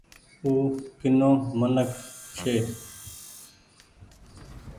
او ڪينو منک ڇي۔